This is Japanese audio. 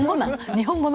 日本語の？